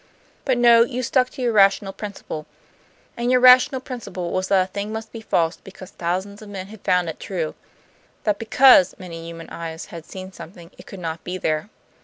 But no, you stuck to your rational principle. And your rational principle was that a thing must be false because thousands of men had found it true; that BECAUSE many human eyes had seen something it could not be there."